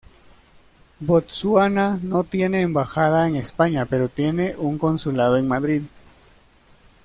Botsuana no tiene embajada en España pero tiene un consulado en Madrid.